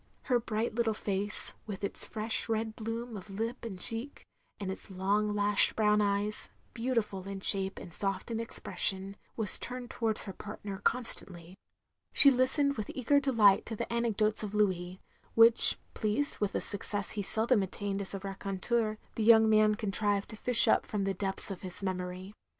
Her bright little face — ^with its fresh red bloom of lip and cheek, and its long lashed brown eyes, beautiftd in shape and soft in expression — ^was turned towards her partner constantly. She listened with eager deKght to the anecdotes of Louis; which, pleased with a success he seldom attained as a raconteur, the young man contrived to fish up from the depths of his memory.